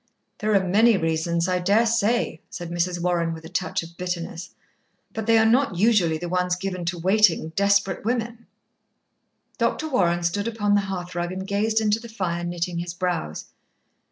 "There are many reasons, I daresay," said Mrs. Warren with a touch of bitterness," but they are not usually the ones given to waiting, desperate women." Dr. Warren stood upon the hearthrug and gazed into the fire, knitting his brows.